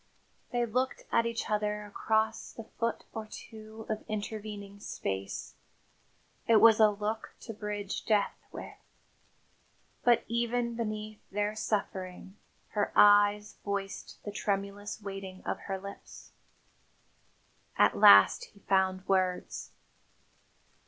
They looked at each other across the foot or two of intervening space. It was a look to bridge death with. But even beneath their suffering, her eyes voiced the tremulous waiting of her lips. At last he found words.